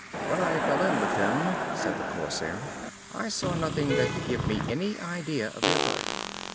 "When I fell in with them," said the Corsair, "I saw nothing that could give me any idea of their birth."